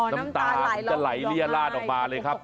อ๋อน้ำตาจะไหลเรียดราดออกมาเลยครับ